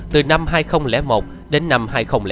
từ năm hai nghìn một đến năm hai nghìn hai